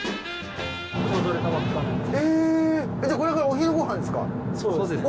えっこれからお昼ご飯ですか？